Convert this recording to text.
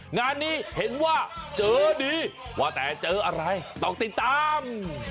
งานนี้เห็นว่าเจอดีว่าแต่เจออะไรต้องติดตาม